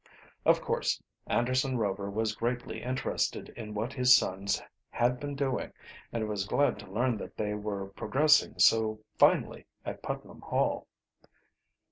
Of course Anderson Rover was greatly interested in what his sons had been doing and was glad to learn that they were progressing so finely at Putnam Hall.